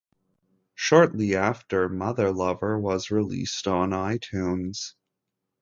Shortly after, "Motherlover" was released on iTunes.